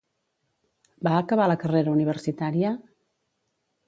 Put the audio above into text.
Va acabar la carrera universitària?